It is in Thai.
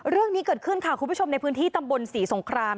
เรื่องนี้เกิดขึ้นค่ะคุณผู้ชมในพื้นที่ตำบลศรีสงคราม